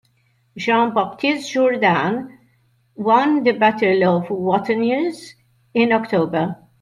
Jean-Baptiste Jourdan won the Battle of Wattignies in October.